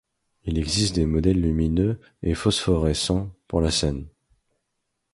Il existe des modèles lumineux et phosphorescents pour la scène.